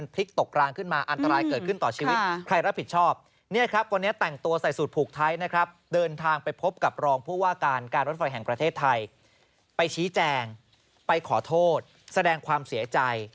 ไปชี้แจงไปขอโทษแสดงความเสียใจ